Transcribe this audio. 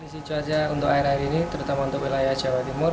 kondisi cuaca untuk air air ini terutama untuk wilayah jawa timur